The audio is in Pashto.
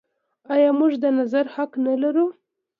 آیا موږ د نظر حق نلرو؟